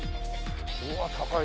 うわっ高い。